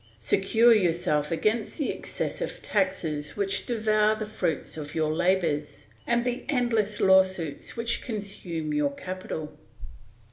Secure yourself against the excessive taxes which devour the fruits of your labours, and the endless lawsuits which consume your capital.